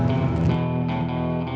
sudah pesen minum